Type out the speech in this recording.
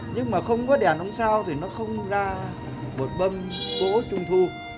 nhưng mà không có đèn ôm sao thì nó không ra một bâm cổ trung thu